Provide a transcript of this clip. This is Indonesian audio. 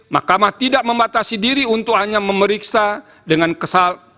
mahkamah tidak membatasi diri untuk hanya memeriksa dengan kesal